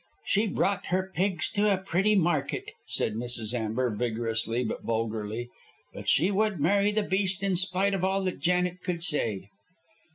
She brought her pigs to a pretty market," said Mrs. Amber, vigorously but vulgarly, "but she would marry the beast in spite of all that Janet could say."